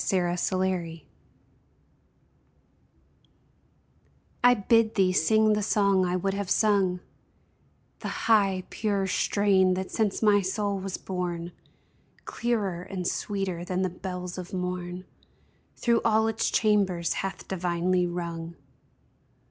A MESSAGE I BID thee sing the song I would have sung — The high, pure strain that since my soul was born, Clearer and sweeter than the bells of morn, Through all its chambers hath divinely rung